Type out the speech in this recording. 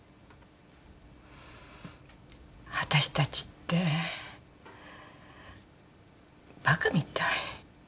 私たちってバカみたい。